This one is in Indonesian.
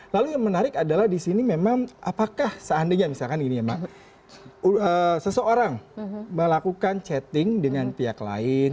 lalu yang menarik adalah disini memang apakah seandainya misalkan seseorang melakukan chatting dengan pihak lain